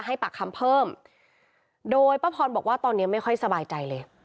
ปากคำเพิ่มโดยป้าพรบอกว่าตอนนี้ไม่ค่อยสบายใจเลย